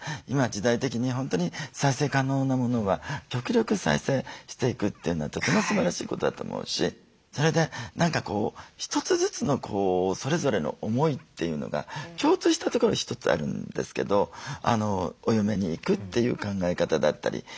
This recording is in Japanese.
今時代的に本当に再生可能なものは極力再生していくっていうのはとてもすばらしいことだと思うしそれで何か一つずつのそれぞれの思いっていうのが共通したところに一つあるんですけどお嫁に行くっていう考え方だったり。